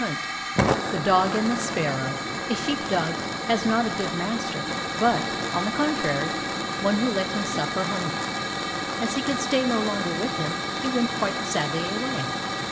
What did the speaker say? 58 The Dog and the Sparrow A sheep dog had not a good master, but, on the contrary, one who let him suffer hunger. As he could stay no longer with him, he went quite sadly away.